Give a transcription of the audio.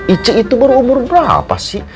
aceh itu baru umur berapa sih